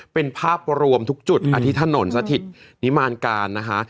เป็นภาพรวมทุกจุดอาทิตยถนนสถิตนิมานการนะคะ